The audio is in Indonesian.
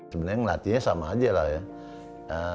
sebenarnya ngelatihnya sama aja lah ya